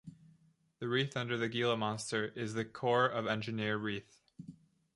The wreath under the Gila monster is the Corps of Engineer wreath.